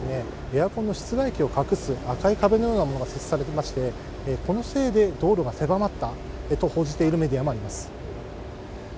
エアコンの室外機を隠す赤い壁のようなものが設置されていましてこのせいで道路が狭まったと報じているメディアもあります。